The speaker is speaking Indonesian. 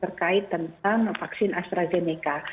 berkait tentang vaksin astrazeneca